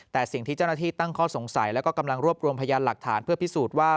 แต่สิ่งที่เจ้าหน้าที่ตั้งข้อสงสัยแล้วก็กำลังรวบรวมพยานหลักฐานเพื่อพิสูจน์ว่า